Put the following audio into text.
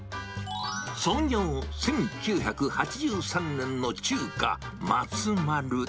創業１９８３年の中華マツマル。